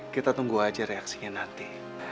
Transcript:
kita tunggu aja reaksinya nanti